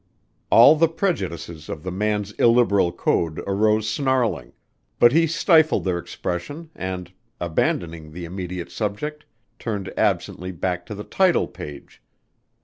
All the prejudices of the man's illiberal code arose snarling, but he stifled their expression and, abandoning the immediate subject, turned absently back to the title page.